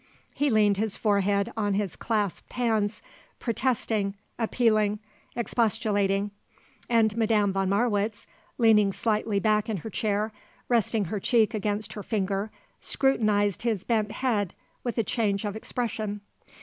He leaned his forehead on his clasped hands, protesting, appealing, expostulating, and Madame von Marwitz, leaning slightly back in her chair, resting her cheek against her finger, scrutinized his bent head with a change of expression.